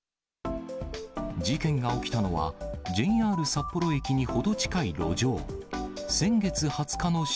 事件が起きたのはＪＲ札幌駅に程近い路上。